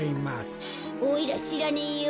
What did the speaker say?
おいらしらねえよ。